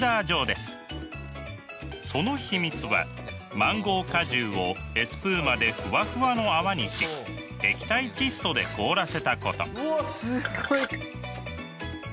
その秘密はマンゴー果汁をエスプーマでフワフワの泡にし液体窒素で凍らせたこと。